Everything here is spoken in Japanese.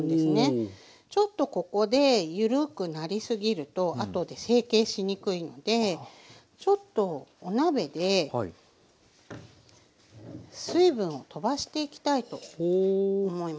ちょっとここで緩くなりすぎるとあとで成形しにくいのでちょっとお鍋で水分をとばしていきたいとほう。